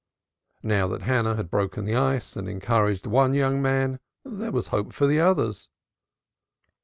Now that Hannah had broken the ice, and encouraged one young man, there was hope for the others.